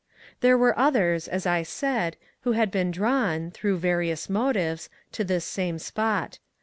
There were others, as I said, who had been i drawn, through various motives, to this same spot.